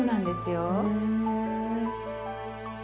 へえ。